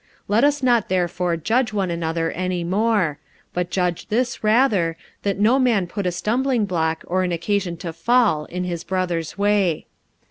45:014:013 Let us not therefore judge one another any more: but judge this rather, that no man put a stumblingblock or an occasion to fall in his brother's way.